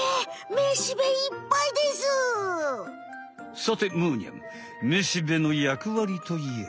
さてむーにゃんめしべのやくわりといえば？